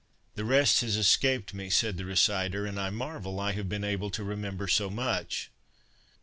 '" "The rest has escaped me," said the reciter; "and I marvel I have been able to remember so much."